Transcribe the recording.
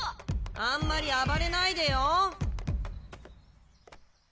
あんまり暴れないでよ。